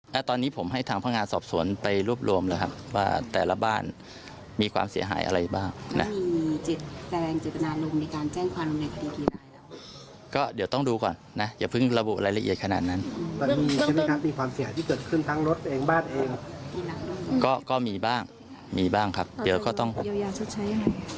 ก็มีบ้างมีบ้างครับเดี๋ยวก็ต้องยาวจะใช้ยังไง